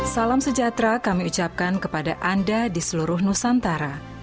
salam sejahtera kami ucapkan kepada anda di seluruh nusantara